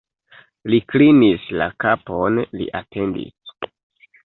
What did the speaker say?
Li klinis la kapon, li atendis.